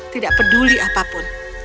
tidak peduli apapun